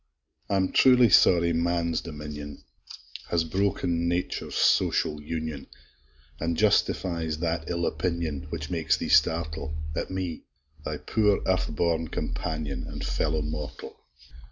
I'm truly sorry man's dominion Has broken nature's social union, An' justifies that ill opinion, Which makes thee startle At me, thy poor earth born companion, An' fellow mortal!